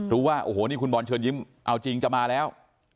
รู้ว่าโอ้โหนี่คุณบอลเชิญยิ้มเอาจริงจะมาแล้ว